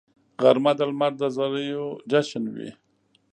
غرمه د لمر د زریو جشن وي